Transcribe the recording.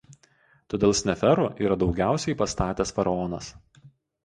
Todėl Sneferu yra daugiausiai pastatęs faraonas.